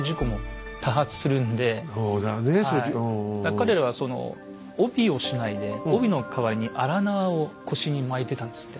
彼らは帯をしないで帯の代わりに荒縄を腰に巻いてたんですって。